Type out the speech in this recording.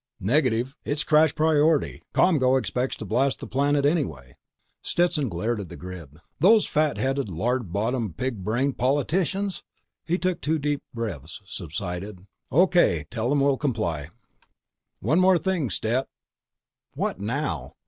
"Negative. It's crash priority. ComGO expects to blast the planet anyway." Stetson glared at the grid. "Those fat headed, lard bottomed, pig brained ... POLITICIANS!" He took two deep breaths, subsided. "O.K. Tell them we'll comply." "One more thing, Stet." "What now?"